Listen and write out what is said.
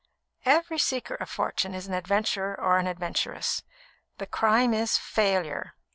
"Every seeker of fortune is an adventurer or an adventuress. The crime is, failure.